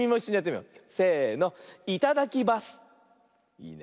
いいね。